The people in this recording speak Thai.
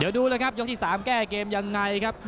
เดี๋ยวดูเลยครับยกที่๓แก้เกมยังไงครับ